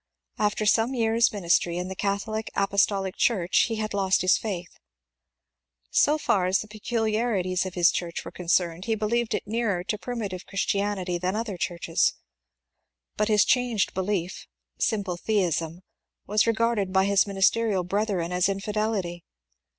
After some years' ministry in the Catholic Apostolic Church he had lost his faith. So far as the peculiarities of his church were concerned he believed it nearer to primitive Christianity than other churches; but his changed belief — simple theism — was regarded by his ministerial brethren as infidelity.